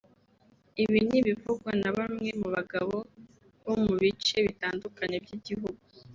Ibi ni ibivugwa na bamwe mu bagabo bo mu bice bitandukanye by’igihugu